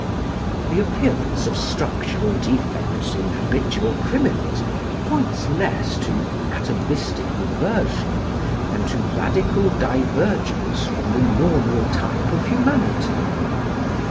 The appearance of structural defects in habitual criminals points less to atavistic reversion than to radical divergence from the normal type of humanity.